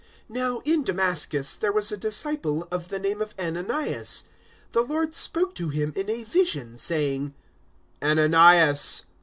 009:010 Now in Damascus there was a disciple of the name of Ananias. The Lord spoke to him in a vision, saying, "Ananias!"